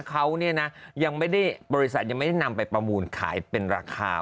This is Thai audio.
เขาเนี่ยนะยังไม่ได้บริษัทยังไม่ได้นำไปประมูลขายเป็นราคา